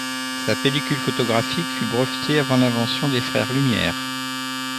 Sa pellicule photographique fut brevetée avant l'invention des frères Lumière.